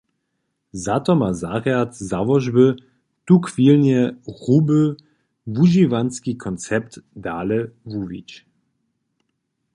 Za to ma zarjad załožby tuchwilny hruby wužiwanski koncept dale wuwić.